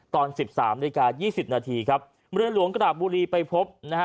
ตอนสิบสามนาฬิกายี่สิบนาทีครับเรือหลวงกระบุรีไปพบนะฮะ